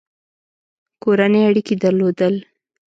کورني اړیکي درلودل.